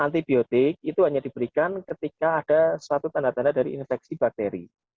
dan antibiotik itu hanya diberikan ketika ada suatu tanda tanda dari infeksi bakteri